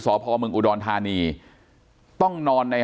สพเมืองอุดรธานีต้องนอนใน